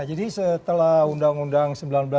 jadi setelah undang undang sembilan belas